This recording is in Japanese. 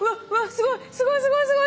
すごいすごいすごいすごい。